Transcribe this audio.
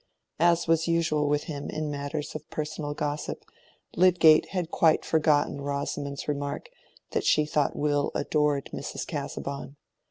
As was usual with him in matters of personal gossip, Lydgate had quite forgotten Rosamond's remark that she thought Will adored Mrs. Casaubon.